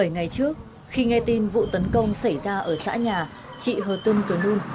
bảy ngày trước khi nghe tin vụ tấn công xảy ra ở xã nhà chị hờ tân cửa nung